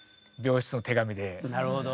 なるほど。